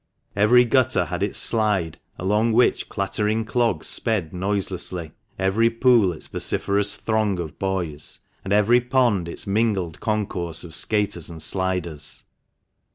Every gutter had its slide, along which clattering clogs sped noiselessly; every pool its vociferous throng THE MANCHESTER MAN. 271 of boys, and every pond its mingled concourse of skaters and sliders.